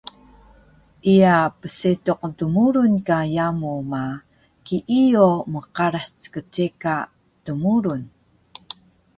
Iya psetuq dmurun ka yamu ma, kiiyo mqaras ckceka dmurun